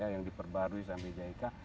yang diperbarui sampai jika